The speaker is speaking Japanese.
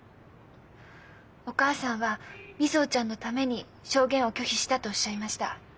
お母さんは「瑞穂ちゃんのために証言を拒否した」とおっしゃいました。